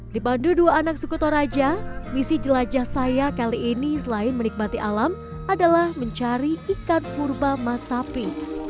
dipandu dua anak suku toraja misi jelajah saya kali ini selain menikmati alam adalah mencari ikan purba masapi